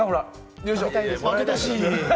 負けたし！